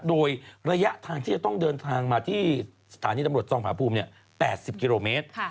โดยระยะทางที่จะต้องเดินทางมาที่สถานีตำรวจทองผาภูมิ๘๐กิโลเมตร